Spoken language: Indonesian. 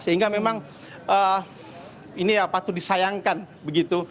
sehingga memang ini patut disayangkan begitu